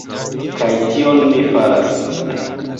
Kaj tion mi faras.